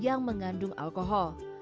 yang mengandung alkohol